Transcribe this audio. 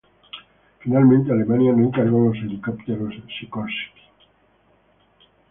Finalmente Alemania no encarga los helicópteros Sikorsky.